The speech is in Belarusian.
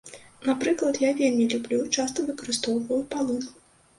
Напрыклад, я вельмі люблю і часта выкарыстоўваю палын.